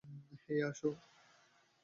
হেই, আসো!